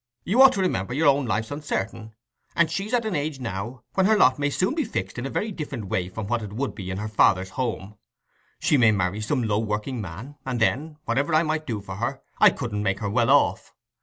You ought to remember your own life's uncertain, and she's at an age now when her lot may soon be fixed in a way very different from what it would be in her father's home: she may marry some low working man, and then, whatever I might do for her, I couldn't make her well off.